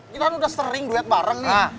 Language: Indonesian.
kita kan udah sering duet bareng nih